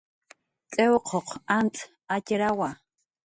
tx'iwquq antz atxrawa